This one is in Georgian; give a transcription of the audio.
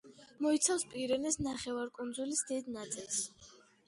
მოიცავს პირენეს ნახევარკუნძულის დიდ ნაწილს.